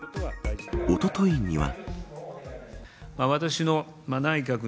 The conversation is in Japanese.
おとといには。